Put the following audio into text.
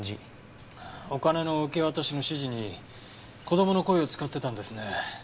お金の受け渡しの指示に子供の声を使ってたんですね。